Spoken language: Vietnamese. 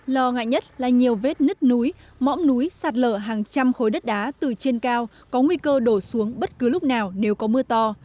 lo ngại nhất là nhiều vết nứt núi mõm núi sạt lở hàng trăm khối đất đá từ trên cao có nguy cơ đổ xuống bất cứ lúc nào nếu có mưa to